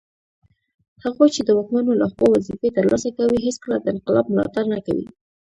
هغوی چي د واکمنو لخوا وظیفې ترلاسه کوي هیڅکله د انقلاب ملاتړ نه کوي